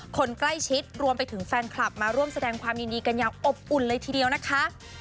คนใกล้ชิดรวมไปถึงแฟนคลับมาร่วมแสดงความยินดีกันอย่างอบอุ่นเลยทีเดียวนะคะ